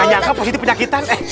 eh banyak lah positi penyakitan